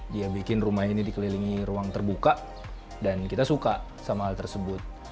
dia bikin rumah ini dikelilingi ruang terbuka dan kita suka sama hal tersebut